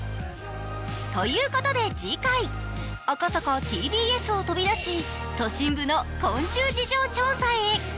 ということで、次回、赤坂ＴＢＳを飛び出し、都心部の昆虫事情調査へ。